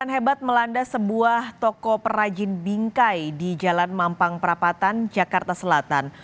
hujan hebat melanda sebuah toko perajin bingkai di jalan mampang perapatan jakarta selatan